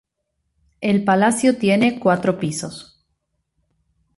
El palacio tiene cuatro pisos.